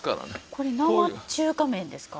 これ生中華麺ですか？